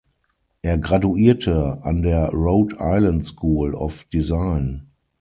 Er graduierte an der Rhode Island School of Design.